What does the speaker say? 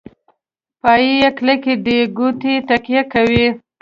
پایې کلکې دي کوټې تکیه کوي.